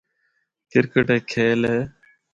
کرکٹ ہک کھیل ہے۔